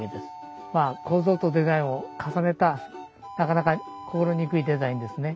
まあ構造とデザインを重ねたなかなか心憎いデザインですね。